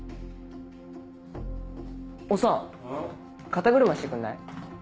肩車してくんない？